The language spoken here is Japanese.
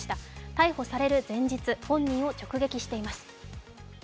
逮捕される前日、本人を直撃しています。